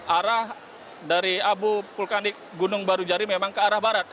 arah dari abu vulkanik gunung barujari memang ke arah barat